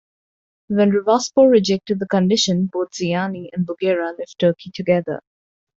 When Rivaspor rejected the condition, both Ziani and Bougherra left Turkey together.